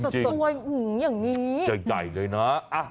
จริงจริงอย่างนี้จ่ายเลยนะ